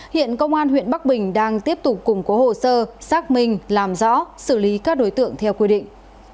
hiện công an huyện bắc bình đang tiếp tục củng cố hồ sơ xác minh làm rõ xử lý các đối tượng theo quy định